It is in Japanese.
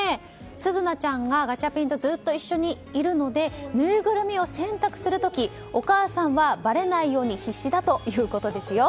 珠和ちゃんがガチャピンとずっと一緒にいるのでぬいぐるみを洗濯する時お母さんはばれないように必死だということですよ。